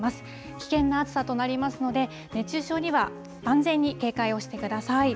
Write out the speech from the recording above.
危険な暑さとなりますので、熱中症には万全に警戒をしてください。